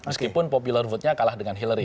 meskipun popular vote nya kalah dengan hillary